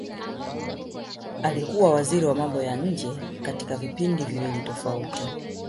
Alikuwa waziri wa mambo ya nje katika vipindi viwili tofauti